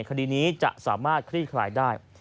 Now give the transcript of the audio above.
คดีนี้จะสามารถคลี่คลายได้